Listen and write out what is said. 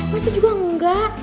masa juga enggak